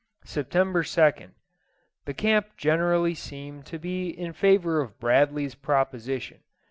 September 2nd. The camp generally seem to be in favour of Bradley's proposition.